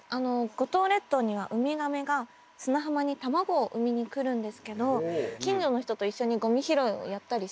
五島列島にはうみがめが砂浜に卵を産みに来るんですけど近所の人と一緒にごみ拾いをやったりしてました。